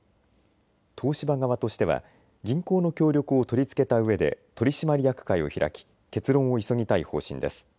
東芝側としては銀行の協力を取り付けたうえで取締役会を開き結論を急ぎたい方針です。